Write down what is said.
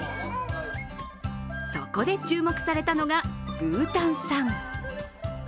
そこで注目されたのがブータン産。